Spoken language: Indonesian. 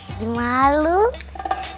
sini dong jalannya cepetan